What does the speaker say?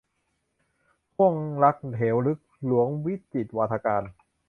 ห้วงรักเหวลึก - หลวงวิจิตรวาทการ